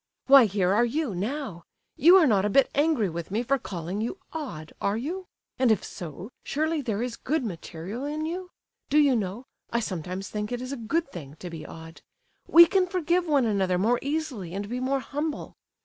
Why, here are you, now—you are not a bit angry with me for calling you 'odd,' are you? And, if so, surely there is good material in you? Do you know, I sometimes think it is a good thing to be odd. We can forgive one another more easily, and be more humble.